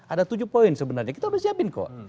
ada tujuh poin sebenarnya kita udah siapin kok